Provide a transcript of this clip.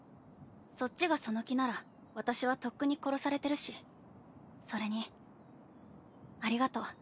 そっちがその気なら私はとっくに殺されてるしそれにありがとう。